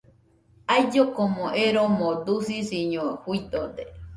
Ailloko eromo dusisiño juidode